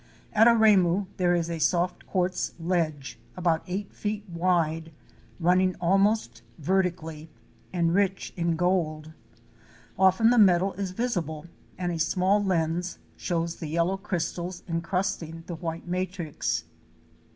At Aremu there is a soft quartz ledge about eight feet wide running almost vertically and rich in gold. Often the metal is visible and a small lens shows the yellow crystals encrusting the white matrix.